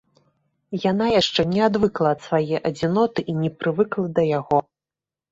Яна яшчэ не адвыкла ад свае адзіноты і не прывыкла да яго.